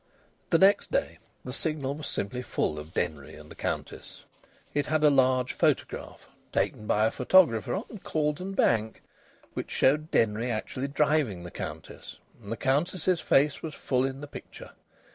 The next day the Signal was simply full of Denry and the Countess. It had a large photograph, taken by a photographer on Cauldon Bank, which showed Denry actually driving the Countess, and the Countess's face was full in the picture.